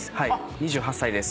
２８歳です。